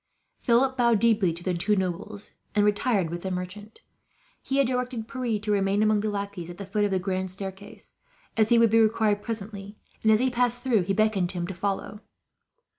Philip bowed deeply to the two nobles, and retired with the merchant. He had directed Pierre to remain among the lackeys at the foot of the grand staircase, as he would be required presently; and as he passed through, he beckoned to him to follow.